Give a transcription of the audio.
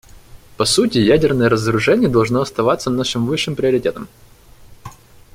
По сути, ядерное разоружение должно оставаться нашим высшим приоритетом.